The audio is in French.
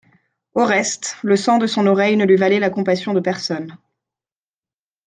Au reste, le sang de son oreille ne lui valait la compassion de personne.